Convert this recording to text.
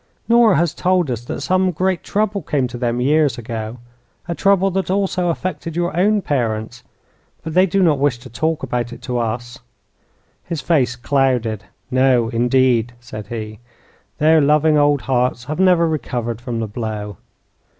"Nora has told us that some great trouble came to them years ago a trouble that also affected your own parents. But they do not wish to talk about it to us." His face clouded. "No, indeed," said he. "Their loving old hearts have never recovered from the blow.